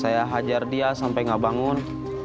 saya hajar dia sampai nggak bangun